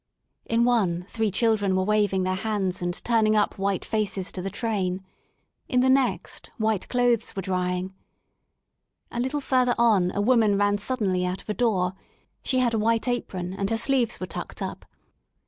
In one, three children were waving their hands and turning up white faces to the train; in the next, white clothes were drying, A little further on a woman ran suddenly out of a door; she had a white apron and her sleeves were tucked up.